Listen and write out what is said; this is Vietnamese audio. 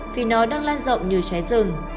vì nó đang lan rộng như trái rừng